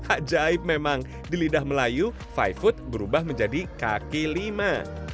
ajaib memang di lidah melayu five foot berubah menjadi kaki lima